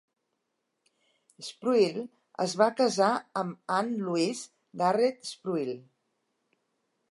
Spruill es va casar amb Anne Louise Garrett Spruill.